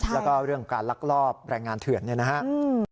แล้วก็เรื่องการลักลอบแรงงานเถื่อนเนี่ยนะครับ